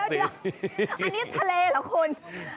อันนี้ทะเลหรอคน